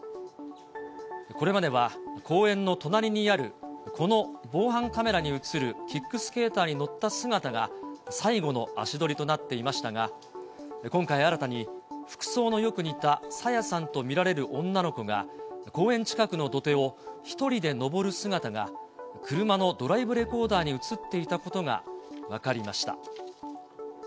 これまでは公園の隣にあるこの防犯カメラに写るキックスケーターに乗った姿が、最後の足取りとなっていましたが、今回新たに、服装のよく似た朝芽さんと見られる女の子が、公園近くの土手を１人で登る姿が、車のドライブレコーダーに写っていたことが分かりました。